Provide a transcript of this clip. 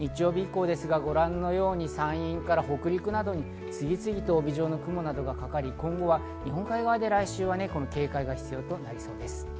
日曜日以降、ご覧のように山陰から北陸など次々と帯状の雲がかかり、今後は日本海側で来週は警戒が必要となりそうです。